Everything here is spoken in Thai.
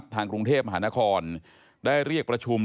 ทางกรุงเทพมหานครได้เรียกประชุม